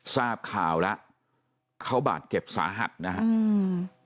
ทราบข่าวแล้วเขาบาดเจ็บสาหัสนะฮะอืม